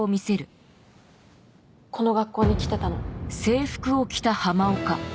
この学校に来てたの。